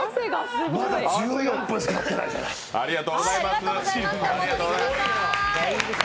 １４分しかたってないじゃない。